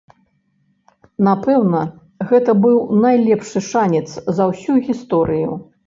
Напэўна, гэта быў найлепшы шанец за ўсю гісторыю.